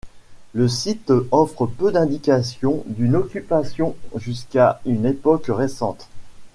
Le site offre peu d'indications d'une occupation jusqu'à une époque récente.